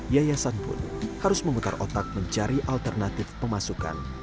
yayasan pun harus memutar otak mencari alternatif pemasukan